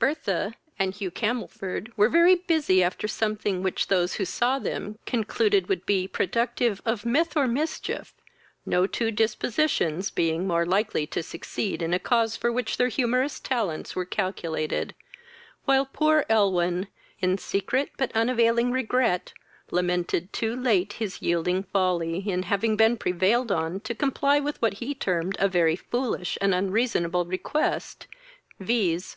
Bertha and Hugh Camelford were very busy after something which those who saw them concluded would be productive of mirth or mischief, no two dispositions being more likely to succeed in a cause for which their humorous talents were calculated; while poor Elwyn, in secret but unavailing regret, lamented too late his yielding folly, in having been prevailed on to comply with what he termed a very foolish and unreasonable request, viz.